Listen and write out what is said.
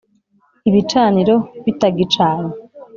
ibicaniro bitagicanye